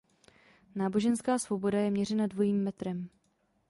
Náboženská svoboda je měřena dvojím metrem.